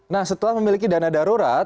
nah setelah memiliki dana darurat